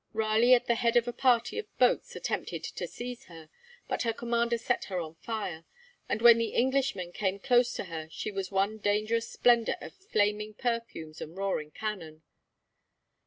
Raleigh at the head of a party of boats attempted to seize her, but her commander set her on fire, and when the Englishmen came close to her she was one dangerous splendour of flaming perfumes and roaring cannon.